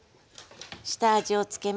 下味をつけます。